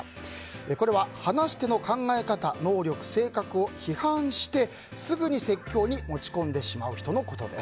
これは話し手の考え方能力、性格を批判してすぐに説教に持ち込んでしまう人のことです。